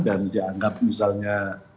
dan dianggap misalnya